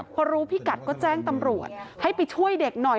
พอรู้พิกัดก็แจ้งตำรวจให้ไปช่วยเด็กหน่อย